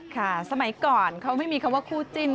สมัยก่อนเขาไม่มีคำว่าคู่จิ้น